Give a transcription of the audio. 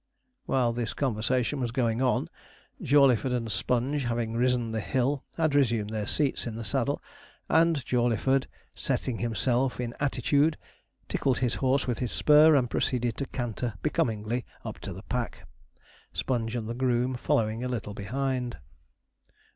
While this conversation was going on, Jawleyford and Sponge, having risen the hill, had resumed their seats in the saddle, and Jawleyford, setting himself in attitude, tickled his horse with his spur, and proceeded to canter becomingly up to the pack; Sponge and the groom following a little behind.